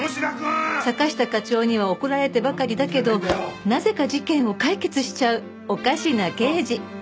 坂下課長には怒られてばかりだけどなぜか事件を解決しちゃうおかしな刑事